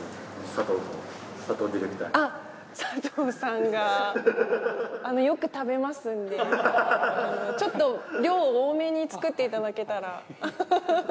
佐藤さんがよく食べますんでちょっと量多めに作っていただけたらフフフ。